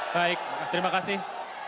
baik terima kasih